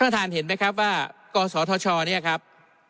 ท่านเห็นไหมครับว่ากองทุนกศธครับ